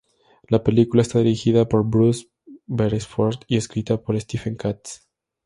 La película está dirigida por Bruce Beresford y escrita por Stephen Katz.